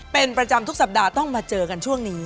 เป็นประจำทุกสัปดาห์ต้องมาเจอกันช่วงนี้